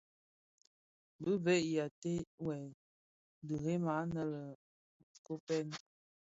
Bi veg i ateghèn diren aně le Koppen,